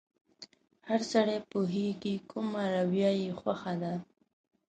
هر سړی پوهېږي کومه رويه يې خوښه ده.